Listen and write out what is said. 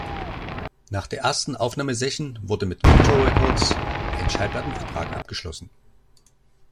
Nach der ersten Aufnahmesession wurde mit Victor Records ein Schallplattenvertrag abgeschlossen.